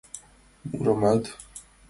Мурымат